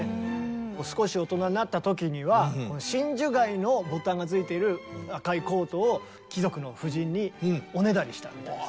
少し大人になった時には真珠貝のボタンが付いている赤いコートを貴族の夫人におねだりしたみたいです。